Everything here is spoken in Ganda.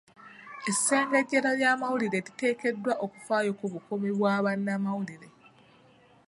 Essengejero ly'amawulire liteekeddwa okufaayo ku bukuumi bwa bannamawulire .